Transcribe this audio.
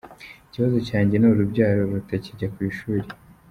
Ikibazo cyanjye ni urubyaro rutakijya ku ishuli.